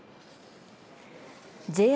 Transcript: ＪＲ